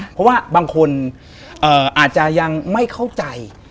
เพราะว่าบางคนอาจจะยังไม่เข้าใจ